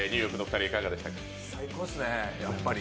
最高っすね、やっぱり。